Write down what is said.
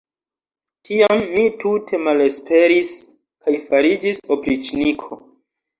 Tiam mi tute malesperis kaj fariĝis opriĉniko.